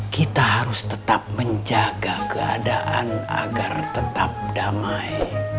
kita harus tetap menjaga keadaan agar tetap damai